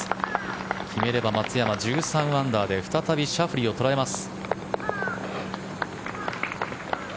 決めれば松山、１３アンダーで再びシャフリーを捉えます。